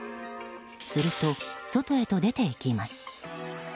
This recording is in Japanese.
すると、外へと出ていきます。